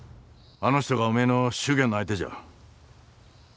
あの人がおめえの祝言の相手じゃ。